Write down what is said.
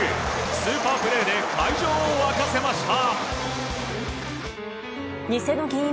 スーパープレーで会場を沸かせました。